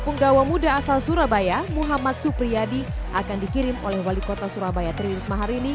penggawa muda asal surabaya muhammad supriyadi akan dikirim oleh wali kota surabaya trinismaharini